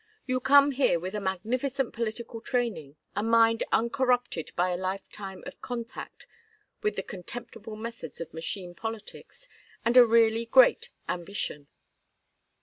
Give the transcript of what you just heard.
You come here with a magnificent political training, a mind uncorrupted by a lifetime of contact with the contemptible methods of machine politics, and a really great ambition.